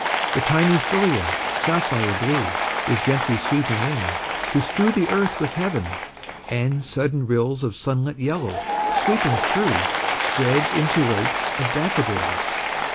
The tiny scilla, sapphire blue, Is gently sweeping in, to strew The earth with heaven; and sudden rills Of sunlit yellow, sweeping through, Spread into lakes of daffodils.